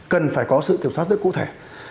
cần phải có sự kiểm soát rất cụ thể